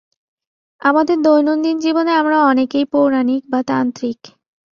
আমাদের দৈনন্দিন জীবনে আমরা অনেকেই পৌরাণিক বা তান্ত্রিক।